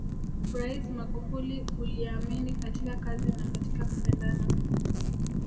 Rais Magufuli uliamini katika kazi na katika kupendana